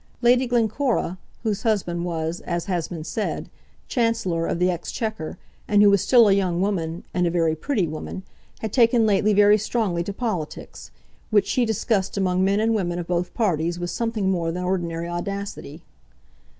Lady Glencora, whose husband was, as has been said, Chancellor of the Exchequer, and who was still a young woman, and a very pretty woman, had taken lately very strongly to politics, which she discussed among men and women of both parties with something more than ordinary audacity.